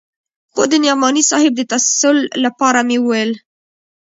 خو د نعماني صاحب د تسل لپاره مې وويل.